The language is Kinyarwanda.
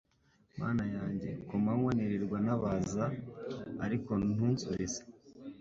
Mana yanjye ku manywa nirirwa ntabaza ariko ntunsubize